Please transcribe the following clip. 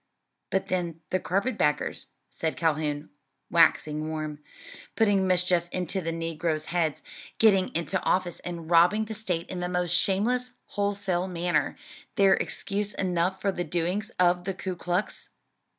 "But then the carpet baggers," said Calhoun, waxing warm, "putting mischief into the negroes' heads, getting into office and robbing the state in the most shameless wholesale manner; they're excuse enough for the doings of the Ku Klux."